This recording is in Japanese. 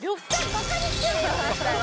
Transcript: バカにしてない。